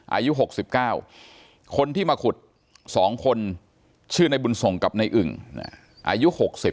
อายุ๖๙คนที่มาขุด๒คนชื่อในบุญส่งกับในอึ่งอายุ๖๐